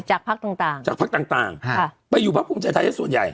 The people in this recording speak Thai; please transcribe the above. จากพักต่างต่างจากพักต่างต่างค่ะไปอยู่พักภูมิใจไทยให้ส่วนใหญ่